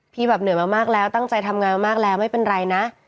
แบบเหนื่อยมามากแล้วตั้งใจทำงานมามากแล้วไม่เป็นไรนะ